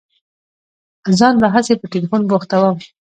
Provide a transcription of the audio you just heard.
ځان به هسي په ټېلفون بوختوم.